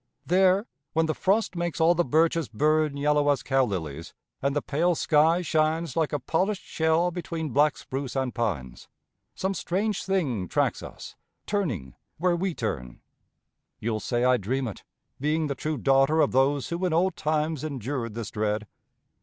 There, when the frost makes all the birches burn Yellow as cow lilies, and the pale sky shines Like a polished shell between black spruce and pines, Some strange thing tracks us, turning where we turn. You'll say I dream it, being the true daughter Of those who in old times endured this dread.